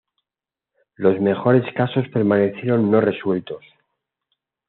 Los mejores casos, permanecieron no resueltos.